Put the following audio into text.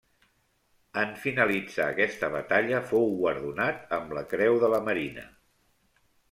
En finalitzar aquesta batalla fou guardonat amb la Creu de la Marina.